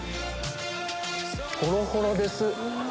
ホロホロです。